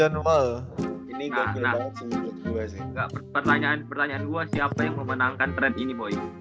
pertanyaan pertanyaan gue siapa yang memenangkan trend ini boy